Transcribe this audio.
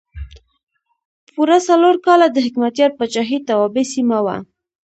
پوره څلور کاله د حکمتیار پاچاهۍ توابع سیمه وه.